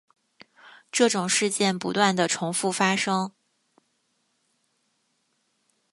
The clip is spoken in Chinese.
这种事件不断地重覆发生。